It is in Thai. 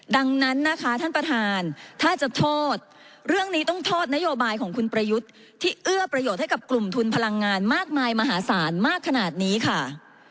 ดังนั้นนะคะท่านประธานถ้าจะโทษเรื่องนี้ต้องโทษนโยบายของคุณประยุทธ์ที่เอื้อประโยชน์ให้กับกลุ่มทุนพลังงานมากมายมหาศาลมากขนาดนี้ค่ะ